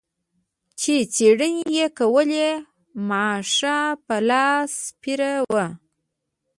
چې څېړنې یې کولې ماشه په لاس پیره و.